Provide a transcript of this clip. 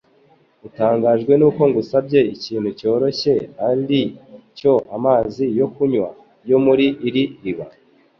Utangajwe nuko ngusabye ikintu cyoroshye arri cyo amazi yo kunywa yo muri iri riba.